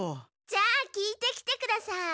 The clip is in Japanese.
じゃあ聞いてきてください。